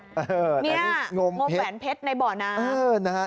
นี่งมแหวนเพชรในบ่อน้ำ